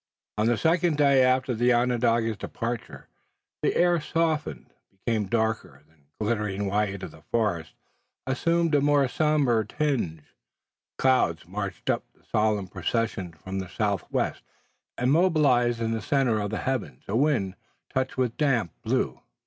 On the second day after the Onondaga's departure the air softened, but became darker. The glittering white of the forest assumed a more somber tinge, clouds marched up in solemn procession from the southwest, and mobilized in the center of the heavens, a wind, touched with damp, blew.